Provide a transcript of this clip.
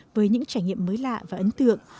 với những trải nghiệm mới lạ và ấn tượng